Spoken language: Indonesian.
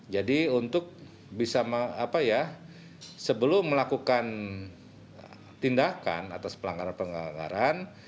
jadi untuk bisa apa ya sebelum melakukan tindakan atas pelanggaran pelanggaran